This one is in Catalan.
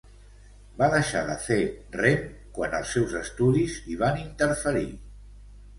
Va deixar de fer rem quan els seus estudis hi van interferir.